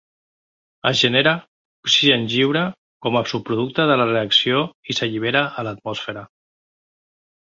Es genera oxigen lliure com a subproducte de la reacció i s'allibera a l'atmosfera.